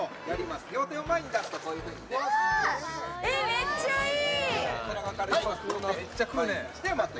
めっちゃいい。